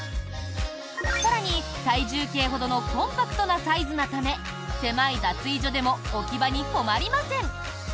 更に、体重計ほどのコンパクトなサイズなため狭い脱衣所でも置き場に困りません。